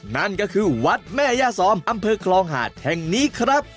นั่นก็คือวัดแม่ย่าซอมอำเภอคลองหาดแห่งนี้ครับ